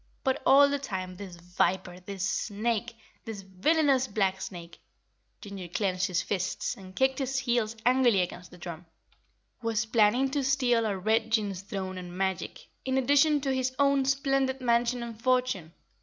But all the time, this viper, this snake, this villainous black snake " Ginger clenched his fists and kicked his heels angrily against the drum "was planning to steal our Red Jinn's throne and magic, in addition to his own splendid mansion and fortune.